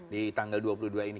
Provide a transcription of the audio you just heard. di tanggal dua puluh dua ini